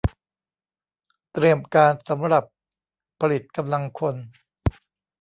เตรียมการสำหรับผลิตกำลังคน